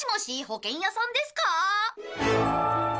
保険屋さんですか？